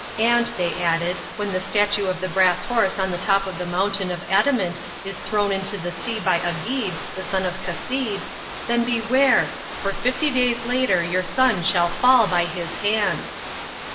And, they added, when the statue of the brass horse on the top of the mountain of adamant is thrown into the sea by Agib, the son of Cassib, then beware, for fifty days later your son shall fall by his hand!